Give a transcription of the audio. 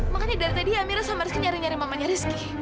makanya dari tadi amira sama rizky nyari nyari mamanya rizky